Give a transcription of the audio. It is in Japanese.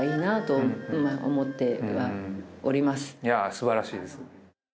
すばらしいです。